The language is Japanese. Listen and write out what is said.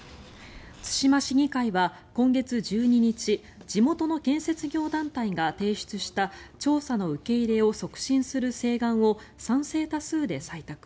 対馬市議会は今月１２日地元の建設業団体が提出した調査の受け入れを促進する請願を賛成多数で採択。